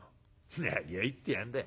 「何を言ってやんだい。